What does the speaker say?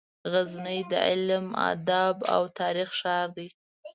غزني د علم، ادب او تاریخ ښار دی.